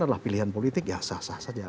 adalah pilihan politik ya sah sah saja